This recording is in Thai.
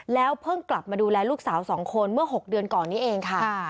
เพิ่งกลับมาดูแลลูกสาว๒คนเมื่อ๖เดือนก่อนนี้เองค่ะ